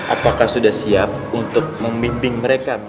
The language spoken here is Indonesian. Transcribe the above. apakah sudah siap untuk membimbing mereka